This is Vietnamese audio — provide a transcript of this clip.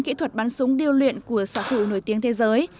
kỹ thuật bắn súng điêu luyện của xạ thủ nổi tiếng thế giới